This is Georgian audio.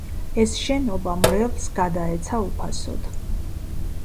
ეს შენობა მრევლს გადაეცა უფასოდ.